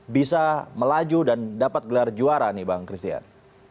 bisa melaju dan dapat gelar juara nih bang christian